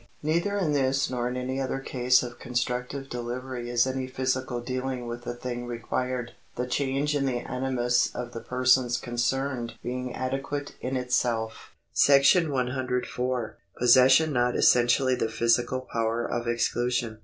Neither in this nor in any other case of constructive delivery is any physical deahng with the thing required, the change in the animus of the persons concerned being adequate in itself .^§ 104. Possession not essentially the Physical Povifer of Exclusion.